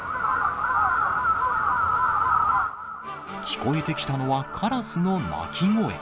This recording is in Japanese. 聞こえてきたのは、カラスの鳴き声。